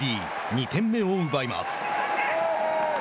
２点目を奪います。